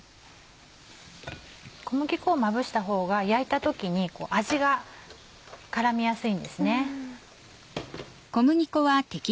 小麦粉をまぶしたほうが焼いた時に味が絡みやすいんですね。